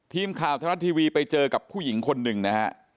ทีมคราวธนาทีวีไปเจอกับผู้หญิงคนนึงนะฮะ